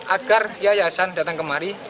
agar yayasan datang kemari